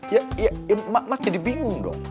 ya ya mas jadi bingung dong